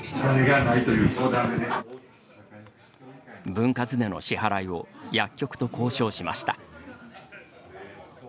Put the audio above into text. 分割での支払いを薬局と交渉しました。